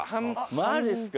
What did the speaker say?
マジっすか！